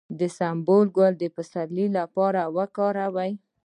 د سنبل ګل د پسرلي لپاره وکاروئ